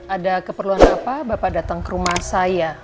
ada keperluan apa bapak datang ke rumah saya